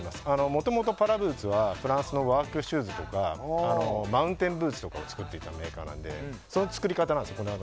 もともとパラブーツはフランスのワークシューズとかマウンテンブーツとかを作っていたメーカーなのでその作り方なんです。